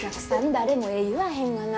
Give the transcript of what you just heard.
誰もええ言わへんがな。